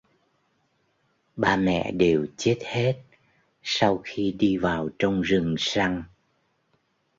Ba mẹ đều chết hết sau khi đi vào trong rừng săn